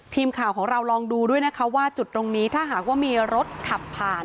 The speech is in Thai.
ทีมข่าวของเราลองดูด้วยนะคะว่าจุดตรงนี้ถ้าหากว่ามีรถขับผ่าน